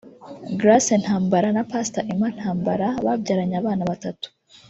Grace Ntambara na Pastor Emma Ntambara babyaranye abana batatu